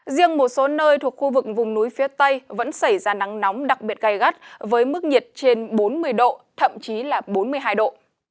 riêng một số nơi thuộc khu vực vùng núi phía tây vẫn xảy ra nắng nóng đặc biệt gai gắt với mức nhiệt trên bốn mươi độ thậm chí là bốn mươi hai độ